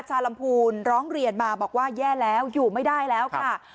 ชาวลำพูนร้องเรียนมาบอกว่าแย่แล้วอยู่ไม่ได้แล้วค่ะ